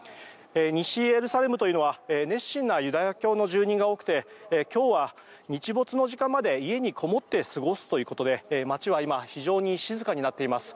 西エルサレムというのは熱心なユダヤ教の住民が多くて今日は日没の時間まで家にこもって過ごすということで街は今非常に静かになっています。